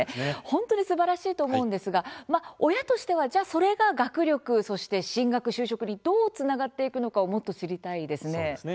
本当にすばらしいと思うんですが親としてはそれが学力、そして進学、就職にどうつながっていくのかもっと知りたいです。